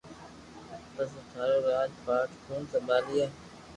پسو ٿارو راج پاٺ ڪوڻ سمڀالئي